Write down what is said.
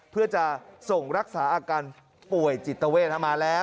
เพื่อจะส่งรักษาอาการป่วยจิตเวทมาแล้ว